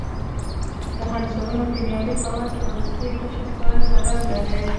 د عنصرونو کیمیاوي خواص له وروستي قشر سره تړاو لري.